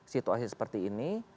situasi seperti ini